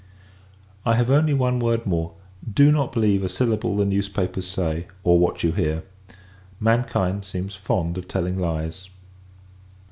I have only one word more Do not believe a syllable the newspapers say, or what you hear. Mankind seems fond of telling lies.